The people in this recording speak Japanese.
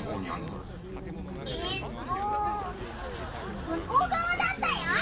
えっとむこうがわだったよ！